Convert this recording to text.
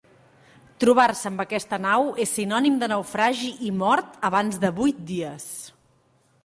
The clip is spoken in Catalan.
Trobar-se amb aquesta nau és sinònim de naufragi i mort abans de vuit dies.